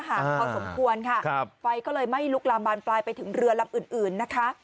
พอสมควรค่ะไฟก็เลยไม่ลุกลามบานปลายไปถึงเรือลำอื่นอื่นนะคะ